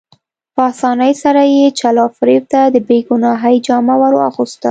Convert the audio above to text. په اسانۍ سره یې چل او فریب ته د بې ګناهۍ جامه ور اغوسته.